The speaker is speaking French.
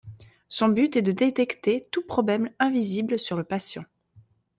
Son but est de détecter tout problème invisible sur le patient.